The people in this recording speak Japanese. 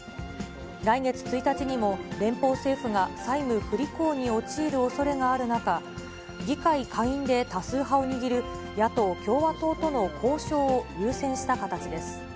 来月１日にも、連邦政府が債務不履行に陥るおそれがある中、議会下院で多数派を握る野党・共和党との交渉を優先した形です。